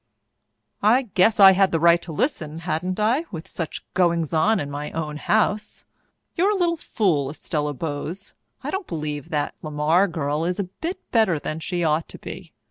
"I guess I had a right to listen, hadn't I, with such goings on in my own house? You're a little fool, Estella Bowes! I don't believe that LeMar girl is a bit better than she ought to be.